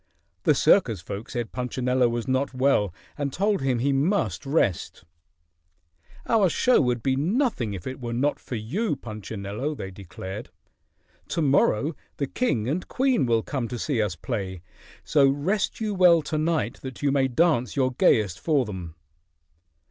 The circus folk said Punchinello was not well and told him he must rest. "Our show would be as nothing if it were not for you, Punchinello," they declared. "To morrow the king and queen will come to see us play, so rest you well to night that you may dance your gayest for them."